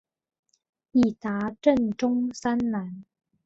伊达政宗三男。